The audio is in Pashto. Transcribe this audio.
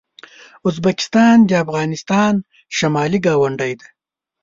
ازبکستان د افغانستان شمالي ګاونډی دی.